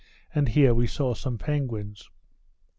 and here we saw some penguins.